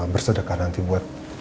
bersedekah nanti buat